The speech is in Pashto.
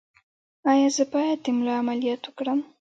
ایا زه باید د ملا عملیات وکړم؟